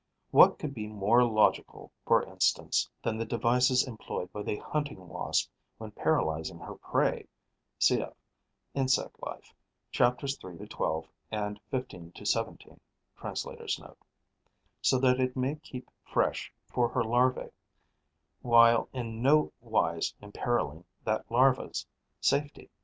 What could be more logical, for instance, than the devices employed by the Hunting Wasp when paralysing her prey (Cf. "Insect Life": chapters 3 to 12 and 15 to 17. Translator's Note.) so that it may keep fresh for her larva, while in no wise imperilling that larva's safety?